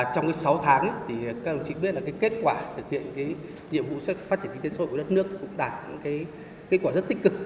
trong sáu tháng thì các đồng chí biết là kết quả thực hiện nhiệm vụ phát triển kinh tế xã hội của đất nước cũng đạt kết quả rất tích cực